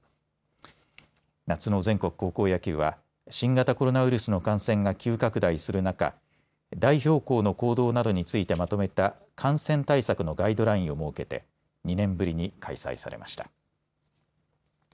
夏の全国高校野球は新型コロナウイルスの感染が急拡大する中、代表校の行動などについてまとめた感染対策のガイドラインを設けて２年ぶりに開催されました。